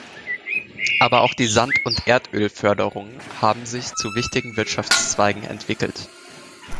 Aber auch die Sand- und die Erdölförderung haben sich zu wichtigen Wirtschaftszweigen entwickelt.